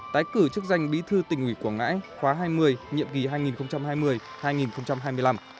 tái cử chức danh bí thư tỉnh ủy quảng ngãi khóa hai mươi nhiệm kỳ hai nghìn hai mươi hai nghìn hai mươi năm